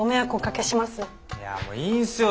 いやもういいんすよ